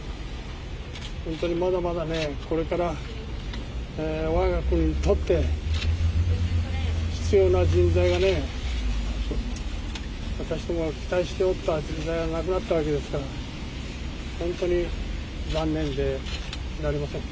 本当にまだまだね、これからわが国にとって、必要な人材がね、私どもが期待しておった人材が亡くなったわけでありますから、本当に残念でなりません。